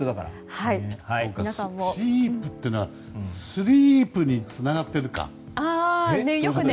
シープというのはスリープにつながってるか。